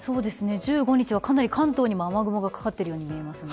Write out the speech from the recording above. １５日はかなり関東にも雨雲がかかっているように見えますね。